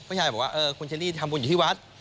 ผู้ชายบอกว่าเออคุณเชลลี่ทำบุญอยู่ที่วัด